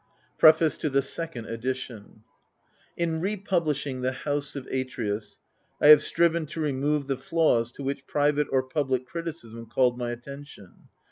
PREFACE TO THE SECOND EDITION In republishing the House of Atreus^ I have striven to remove the flaws to which private or public criticism called my attention.